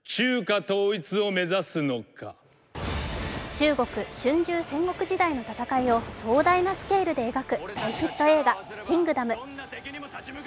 中国春秋戦国時代の戦いを壮大なスケールで描く大ヒット映画「キングダム」。